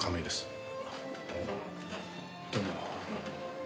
どうも。